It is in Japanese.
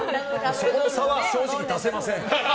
その差は正直出せません。